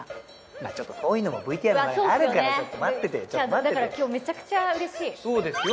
まあちょっとこういうのもＶＴＲの中であるからちょっと待っててよだから今日めちゃくちゃ嬉しいそうですよ